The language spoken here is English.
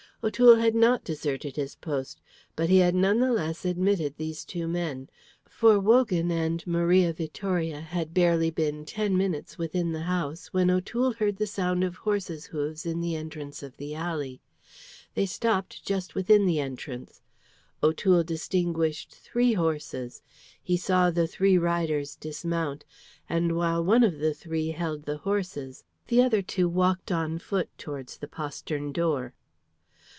O'Toole had not deserted his post, but he had none the less admitted these two men. For Wogan and Maria Vittoria had barely been ten minutes within the house when O'Toole heard the sound of horses' hoofs in the entrance of the alley. They stopped just within the entrance. O'Toole distinguished three horses, he saw the three riders dismount; and while one of the three held the horses, the other two walked on foot towards the postern door.